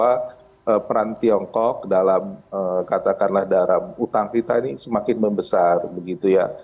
jadi kita juga harus melihat bahwa peran tiongkok dalam katakanlah dalam hutang kita ini semakin membesar begitu ya